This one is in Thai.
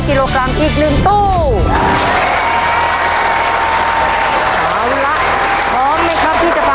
พร้อมค่ะ